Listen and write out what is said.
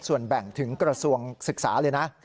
ส่วนแบ่งถึงกระทรวงศึกษาเลยนะ